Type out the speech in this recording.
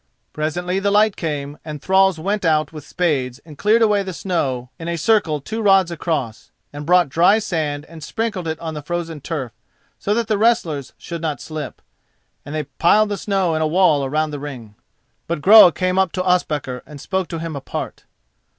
Presently the light came and thralls went out with spades and cleared away the snow in a circle two rods across, and brought dry sand and sprinkled it on the frozen turf, so that the wrestlers should not slip. And they piled the snow in a wall around the ring. But Groa came up to Ospakar and spoke to him apart.